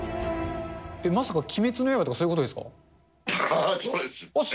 まさか鬼滅の刃とか、そういそうです。